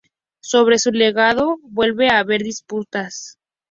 Sobre su legado vuelve a haber disputas.